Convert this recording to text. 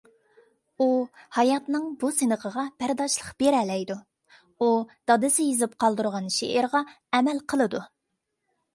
ئۇ ھاياتنىڭ بۇ سىنىقىغا بەرداشلىق بېرەلەيدۇ. ئۇ دادىسى يېزىپ قالدۇرغان شېئىرغا ئەمەل قىلىدۇ